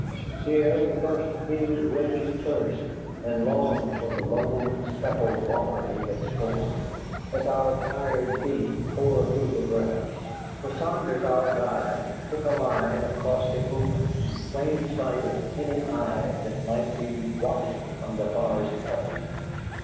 Here we first knew raging thirst, and longed for the loam specked water we had scorned, as our tired feet tore through the grass. For Saunders, our guide, took a line across the open in plain sight of any eye that might be watching from the forest cover.